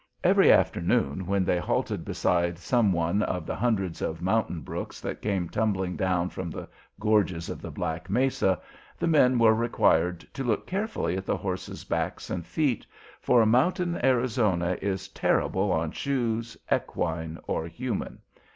Every afternoon when they halted beside some one of the hundreds of mountain brooks that came tumbling down from the gorges of the Black Mesa, the men were required to look carefully at the horses' backs and feet, for mountain Arizona is terrible on shoes, equine or human.